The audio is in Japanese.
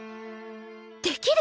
できる！